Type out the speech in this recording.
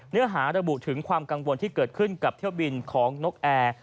เนื้อหาระบุถึงความกังวลที่เกิดขึ้นกับเที่ยวบินของนกแอร์